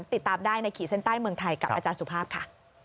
ติดตามได้ในขีดเส้นใต้เมืองไทยกับอาจารย์สุภาพค่ะ